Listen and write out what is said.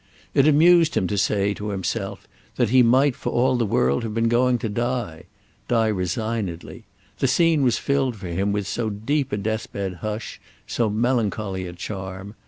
It amused him to say to himself that he might for all the world have been going to die—die resignedly; the scene was filled for him with so deep a death bed hush, so melancholy a charm.